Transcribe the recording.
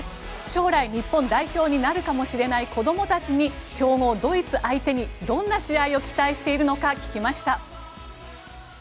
将来日本代表になるかもしれない子どもたちに強豪ドイツ相手にどんな試合を期待しているのか聞きました。